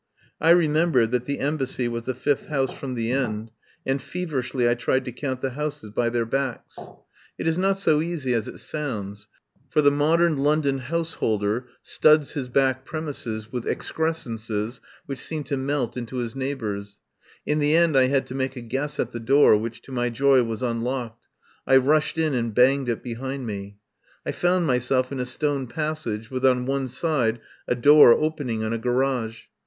I remembered that the Embassy was the fifth house from the end, and feverishly I tried to count the houses by their backs. It i 7 8 I FIND SANCTUARY is not so easy as it sounds, for the modern London householder studs his back premises with excrescences which seem to melt into his neighbour's. In the end I had to make a guess at the door, which to my joy was un locked. I rushed in and banged it behind me. I found myself in a stone passage, with on one side a door opening on a garage.